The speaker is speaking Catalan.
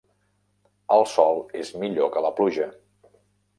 El sol és millor que la pluja.